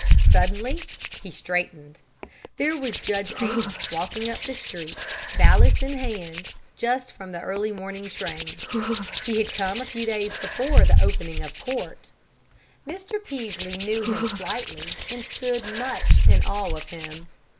Suddenly he straightened. There was Judge Ames walking up the street, valise in hand, just from the early morning train. He had come a few days before the opening of court. Mr. Peaslee knew him slightly, and stood much in awe of him.